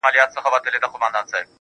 خوښې غواړو غم نه غواړو عجيبه نه ده دا,